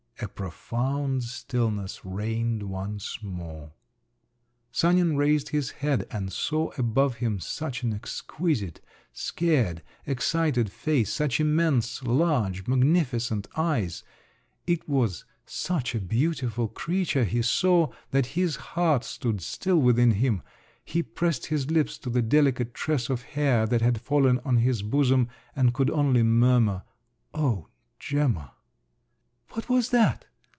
A profound stillness reigned once more. Sanin raised his head and saw above him such an exquisite, scared, excited face, such immense, large, magnificent eyes—it was such a beautiful creature he saw, that his heart stood still within him, he pressed his lips to the delicate tress of hair, that had fallen on his bosom, and could only murmur, "O Gemma!" "What was that?